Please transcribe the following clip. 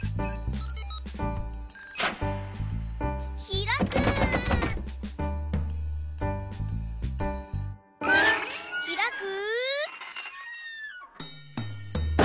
ひらく！